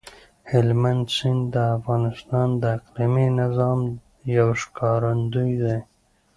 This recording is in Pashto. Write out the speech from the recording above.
هلمند سیند د افغانستان د اقلیمي نظام یو ښکارندوی دی.